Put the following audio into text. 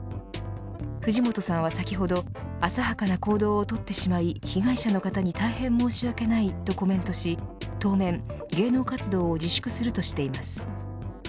藤本さんは、先ほど浅はかな行動をとってしまい被害者の方に大変申し訳ないとコメントし当面、芸能活動を自粛するとしています。